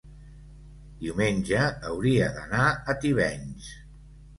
diumenge hauria d'anar a Tivenys.